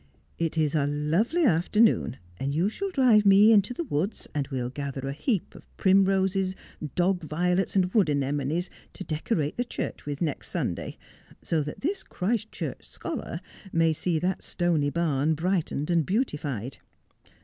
'It is a lovely afternoon, and you shall drive me into the woods, and we'll gather a heap of primroses, dog violets, and wood anemones, to decorate the church with next Sunday, so that tin; ) Christchurch scholar may see that stony barn brightened and beautified.